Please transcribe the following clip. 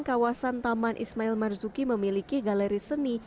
kawasan taman ismail marzuki memiliki galeri seni